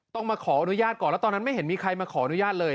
ต้องมาขออนุญาตก่อนแล้วตอนนั้นไม่เห็นมีใครมาขออนุญาตเลย